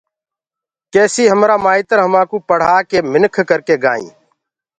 ڪيسي همرآ مآئتر همآنٚڪو پڙهآڪي منک ڪرڪي گآئينٚ